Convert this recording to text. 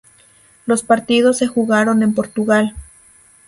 Los partidos se jugaron en Portugal.